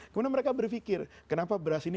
kemudian mereka berpikir kenapa beras ini